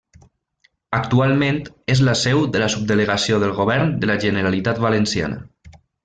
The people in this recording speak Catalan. Actualment és la seu de la Subdelegació del Govern de la Generalitat Valenciana.